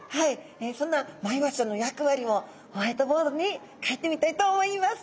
そんなマイワシちゃんの役割をホワイトボードに書いてみたいと思います。